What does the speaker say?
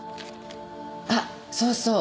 あそうそう。